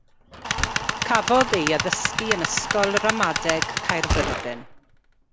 Cafodd ei addysgu yn ysgol ramadeg Caerfyrddin.